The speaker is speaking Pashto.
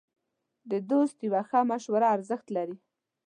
د دوست یوه ښه مشوره ارزښت لري.